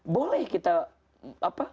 boleh kita apa